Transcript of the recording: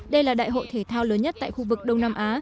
đây là đại hội thể thao lớn nhất tại khu vực đông nam á